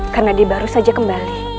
karena dia baru saja kembali